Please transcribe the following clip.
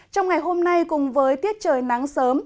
trong ngày hôm nay cùng với tiết trời nắng sớm